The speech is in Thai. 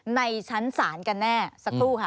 ในชั้นศาลกันแน่สักครู่ค่ะ